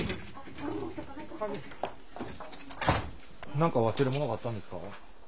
なんか忘れものがあったんですか？